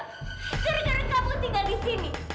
gara gara kamu tinggal di sini